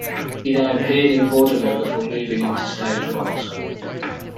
He then appeared in vaudeville before moving on to stage roles.